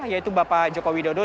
yaitu bapak joko widodo